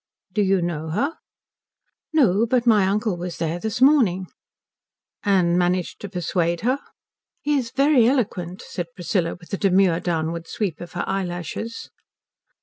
"Do you know her?" "No; but my uncle was there this morning." "And managed to persuade her?" "He is very eloquent," said Priscilla, with a demure downward sweep of her eyelashes.